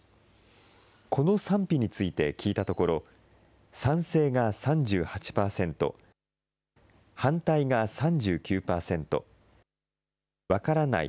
この賛否について聞いたところ、賛成が３８％、反対が３９％、分からない